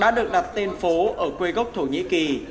đã được đặt tên phố ở quê gốc thổ nhĩ kỳ